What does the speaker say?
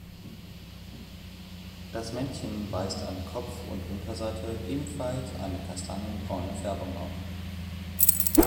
Das Männchen weist an Kopf und Unterseite ebenfalls eine kastanienbraune Färbung auf.